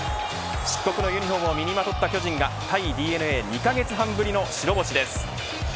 漆黒のユニホームを身にまとった巨人が対ＤｅＮＡ２カ月半ぶりの白星です。